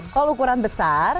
kol ukuran besar